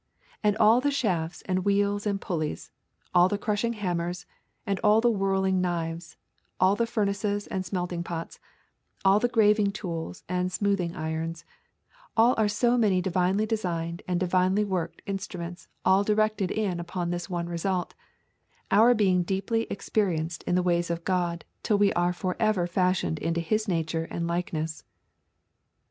And all the shafts and wheels and pulleys; all the crushing hammers, and all the whirling knives; all the furnaces and smelting pots; all the graving tools and smoothing irons, are all so many divinely designed and divinely worked instruments all directed in upon this one result, our being deeply experienced in the ways of God till we are for ever fashioned into His nature and likeness.